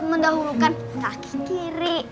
mendahulukan kaki kiri